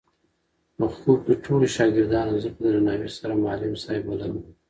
په خوب کې ټولو شاګردانو زه په درناوي سره معلم صاحب بللم.